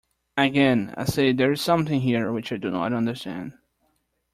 Again I say there is something here which I do not understand.